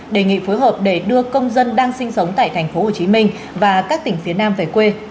đề nghị phối hợp để đưa công dân đang sinh sống tại tp hcm và các tỉnh phía nam về quê